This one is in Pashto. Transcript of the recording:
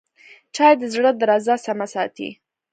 چای د زړه درزا سمه ساتي